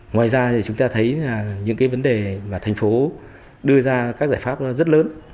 ngoài ra chúng ta thấy những vấn đề mà thành phố đưa ra các giải pháp rất lớn